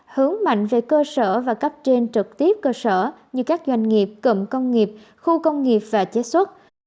hướng mạnh về cơ sở và cấp trên trực tiếp cơ sở như các doanh nghiệp cộng công nghiệp khu công nghiệp và chế xuất